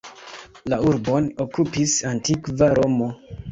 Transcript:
La urbon okupis antikva Romo.